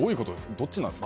どっちなんですか。